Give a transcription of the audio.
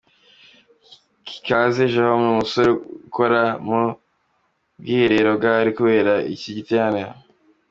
Kaze Jerome ni umusore ukora mu bwiherero bw’ahari kubera iki giterane.